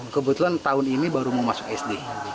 kebetulan tahun ini baru mau masuk sd